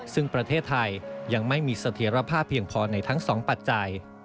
ซึ่งประเทศไทยยังไม่มีเสถียรภาพเพียงพอในทั้งสองปัจจัย